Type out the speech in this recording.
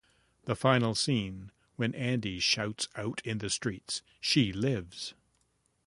The final scene when Andy shouts out in the streets She Lives!